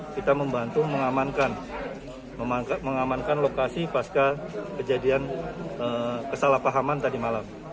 kita membantu mengamankan lokasi pasca kejadian kesalahpahaman tadi malam